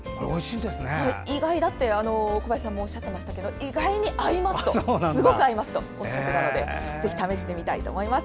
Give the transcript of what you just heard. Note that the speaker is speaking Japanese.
意外だって小林さんもおっしゃってましたけど意外にすごく合いますとおっしゃっていましたのでぜひ試してみたいと思います。